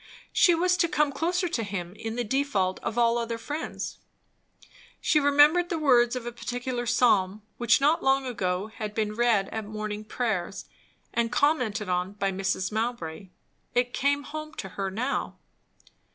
she was to come closer to him, in the default of all other friends. She remembered the words of a particular psalm which not long ago had been read at morning prayers and commented on by Mrs. Mowbray; it came home to her now.